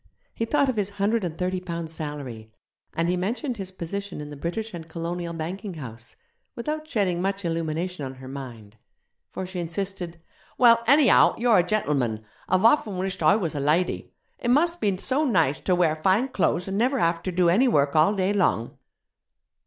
He thought of his hundred and thirty pounds' salary; and he mentioned his position in the British and Colonial Banking house, without shedding much illumination on her mind, for she insisted: 'Well, anyhow, you're a gentleman. I've often wished I was a lady. It must be so nice ter wear fine clo'es an' never have ter do any work all day long.'